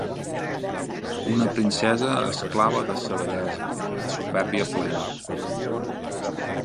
Una princesa esclava que sa bellesa, de supèrbia plena